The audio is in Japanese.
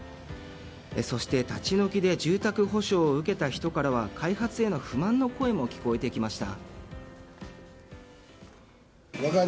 そして、立ち退きで住宅補償を受けた人からは開発への不満の声も聞こえてきました。